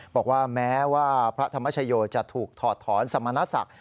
บอกว่าแม้ว่าพระธรรมชโยจะถูกถอดถอนสมณศักดิ์